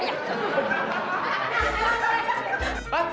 mulai mulai mulai